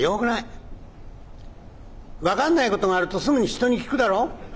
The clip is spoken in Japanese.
分かんないことがあるとすぐに人に聞くだろう？